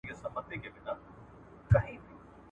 نه یې مرستي ته دوستان سوای رسېدلای `